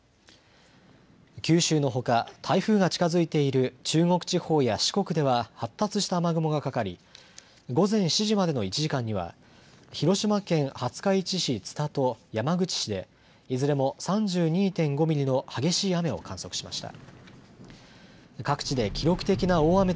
九州のほか台風が近づいている中国地方や四国では発達した雨雲がかかり、午前７時までの１時間には広島県廿日市市津田と山口市でいずれも３２．５ミリの激しい雨を観測しました。